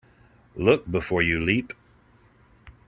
Look before you leap.